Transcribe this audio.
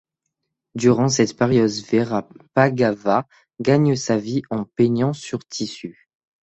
Durant cette période Véra Pagava gagne sa vie en peignant sur tissu.